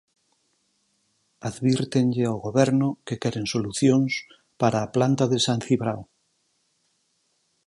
Advírtenlle ao Goberno que queren solucións para a planta de San Cibrao.